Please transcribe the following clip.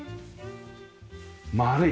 丸い。